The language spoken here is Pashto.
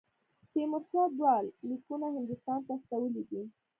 تیمورشاه دوه لیکونه هندوستان ته استولي دي.